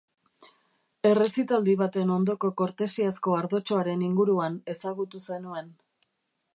Errezitaldi baten ondoko kortesiazko ardotxoaren inguruan ezagutu zenuen.